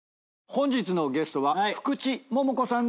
本日のゲストは福地桃子さん